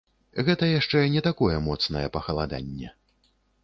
Гэта яшчэ не такое моцнае пахаладанне.